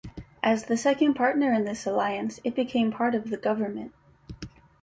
As the second partner in this alliance it became part of the government.